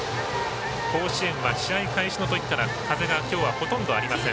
甲子園は試合開始前から風はほとんどありません。